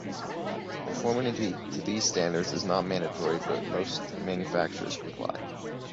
Conformity to these standards is not mandatory, but most manufacturers comply.